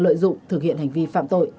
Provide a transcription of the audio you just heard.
lợi dụng thực hiện hành vi phạm tội